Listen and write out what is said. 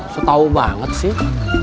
setau banget sih